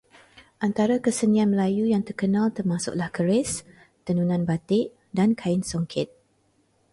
Antara kesenian Melayu yang terkenal termasuklah keris, tenunan batik dan kain songket.